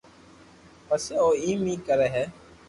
پسي او ايم اي ڪري ھي